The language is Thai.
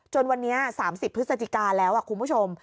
วันนี้๓๐พฤศจิกาแล้วคุณผู้ชม